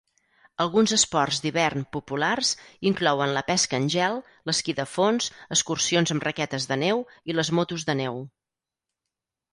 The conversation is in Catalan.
Alguns esports d'hivern populars inclouen la pesca en gel, l'esquí de fons, excursions amb raquetes de neu i les motos de neu.